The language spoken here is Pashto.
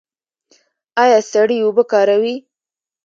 ایا سړې اوبه کاروئ؟